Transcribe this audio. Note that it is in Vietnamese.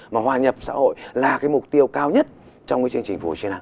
mà họa nhập vào xã hội là cái mục tiêu cao nhất trong cái chương trình phù hồi chức năng